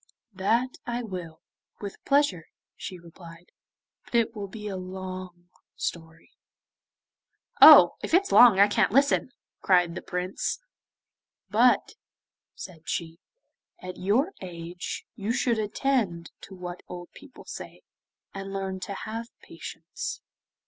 'That I will, with pleasure,' she replied. 'But it will be a long story.' 'Oh! if it's long, I can't listen,' cried the Prince. 'But,' said she, 'at your age, you should attend to what old people say, and learn to have patience.